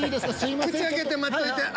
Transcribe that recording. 口開けて待っといて。